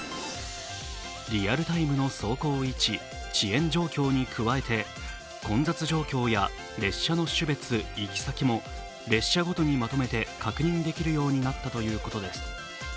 リアルタイムの走行位置・遅延状況に加えて混雑状況や列車の種別、行き先も列車ごとにまとめて確認できるようになったということです。